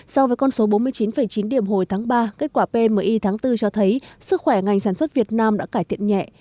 so với con số bốn mươi chín chín điểm hồi tháng ba kết quả pmi tháng bốn cho thấy sức khỏe ngành sản xuất việt nam đã cải thiện nhẹ